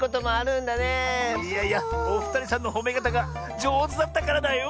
いやいやおふたりさんのほめかたがじょうずだったからだよ！